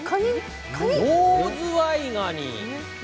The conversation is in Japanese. オオズワイガニ。